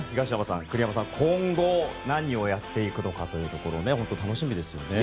今後栗山監督が何をやっていくのかというところが楽しみですよね。